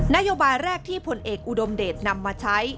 นโยบายแรกที่ผลเอกอุดมเดชน์นำมาใช้